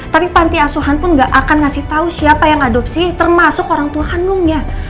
tapi panti asuhan pun gak akan ngasih tahu siapa yang adopsi termasuk orang tua hanungnya